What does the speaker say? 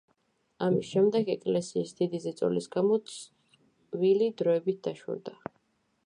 ამის შემდეგ, ეკლესიის დიდი ზეწოლის გამო წყვილი დროებით დაშორდა.